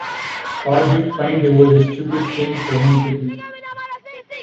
Pardew claimed It was a stupid thing for him to do.